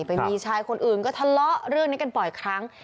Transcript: ไปมีชายคนอื่นก็ทะเลาะเรื่องนี้กันบ่อยครั้ง